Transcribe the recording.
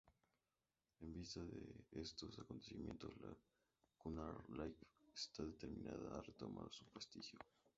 En vista de estos acontecimientos, la Cunard Line estaba determinada a retomar su prestigio.